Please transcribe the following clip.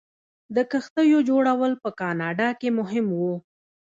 د کښتیو جوړول په کاناډا کې مهم و.